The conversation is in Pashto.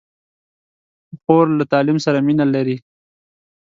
خور له تعلیم سره مینه لري.